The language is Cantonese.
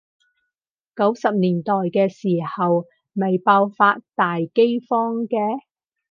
九十年代嘅時候咪爆發大饑荒嘅？